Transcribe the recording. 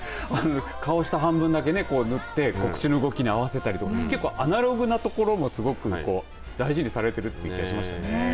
顔を下半分だけ塗って口の動きに合わせたりとか結構アナログなところもすごく大事にされているという気がしましたね。